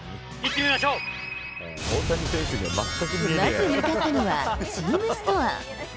まず向かったのは、チームストア。